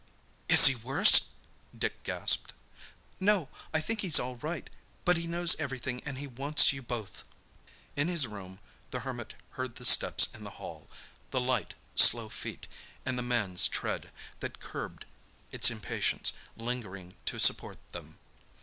"Is he worse?" Dick gasped. "No—I think he's all right. But he knows everything and he wants you both!" In his room the Hermit heard the steps in the hall—the light, slow feet, and the man's tread, that curbed its impatience, lingering to support them.